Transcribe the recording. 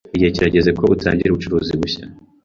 Igihe kirageze ko utangira ubucuruzi bushya.